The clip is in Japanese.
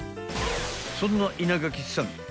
［そんな稲垣さん